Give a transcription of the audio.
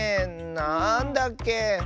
なんだっけ？